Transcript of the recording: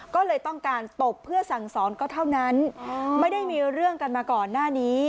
ก็เลยต้องการตบเพื่อสั่งสอนก็เท่านั้นไม่ได้มีเรื่องกันมาก่อนหน้านี้